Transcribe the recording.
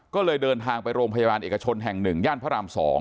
ก็เลยเดินทางไปโรงพยาบาลเอกชนแห่ง๑ย่านพระราม๒